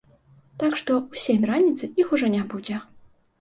Так што ў сем раніцы іх ужо не будзе.